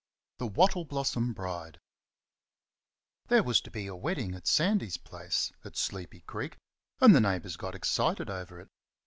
THE WATTLE BLOSSOM BRIDE There was to be a wedding at Sandy's place, at Sleepy Creek, and the neighbours got excited over it.